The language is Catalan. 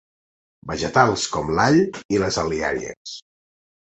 Vegetals com l'all i les al·liàries.